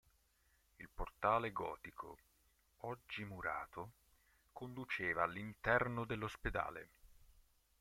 Il portale gotico, oggi murato, conduceva all'interno dell'ospedale.